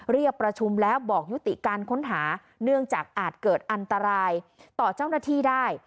เรียกประชุมแล้วบอกยุติการค้นหาเนื่องจากอาจเกิดอันตรายต่อเจ้าหน้าที่ได้